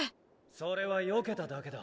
それは避けただけだ。